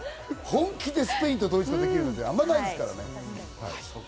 本気でスペインとドイツとできるなんて、あまりないですからね。